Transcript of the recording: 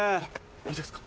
いいですか？